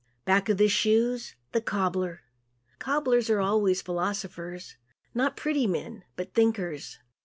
Back of the shoes the cobbler. Cobblers are always philosophers. Not pretty men, but thinkers.